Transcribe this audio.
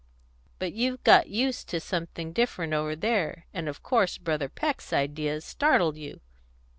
But you've got used to something different over there, and of course Brother Peck's ideas startled you.